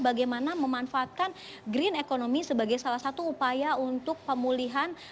bagaimana memanfaatkan green economy sebagai salah satu upaya untuk pemulihan